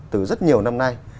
từ rất nhiều năm nay